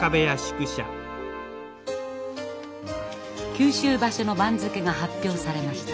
九州場所の番付が発表されました。